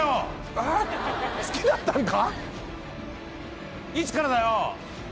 好きだったんか？